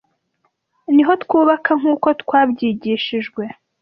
niho twubaka nkuko twabyigishijwe